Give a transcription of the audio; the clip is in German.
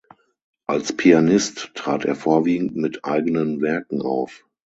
Als Pianist trat er vorwiegend mit eigenen Werken auf.